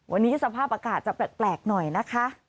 วันนี้สภาพอากาศจะแปลกหน่อยนะคะ